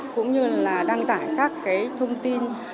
cũng như là đăng tải các thông tin